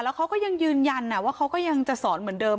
เขาก็ยังยืนยันว่าเขาก็ยังจะสอนเหมือนเดิม